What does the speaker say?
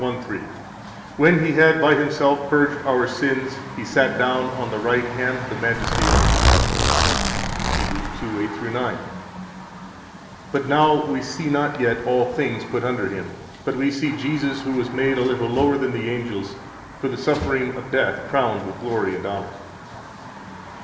1:3: When He had by Himself purged our sins, [He] sat down on the right hand of the Majesty on high. 37 Heb. 2:8 9: But know we see not yet all thing put under Him. But we see Jesus, who was made a little lower than the angels, for the suffering of death crowned with glory and honor.